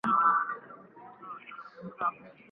Zinaweza pia kumsaidia msanii kubuni kitu.